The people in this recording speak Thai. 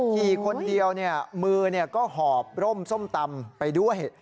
ขี่คนเดียวมือก็หอบร่มส้มตำไปด้วย